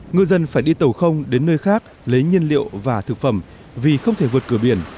ngư dân phải đi tàu không đến nơi khác lấy nhiên liệu và thực phẩm vì không thể vượt cửa biển